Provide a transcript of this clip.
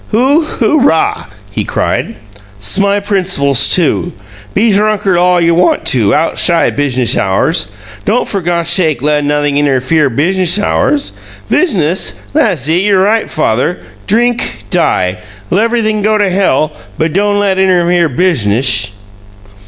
"Hoo hoorah!" he cried. "'S my principles, too. Be drunkard all you want to outside business hours. Don' for Gossake le'n'thing innerfere business hours! Business! Thassit! You're right, father. Drink! Die! L'everything go to hell, but DON' let innerfere business!"